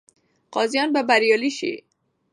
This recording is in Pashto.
غازیان به بریالي سي.